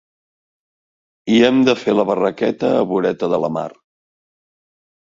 I hem de fer la barraqueta, a voreta de la mar.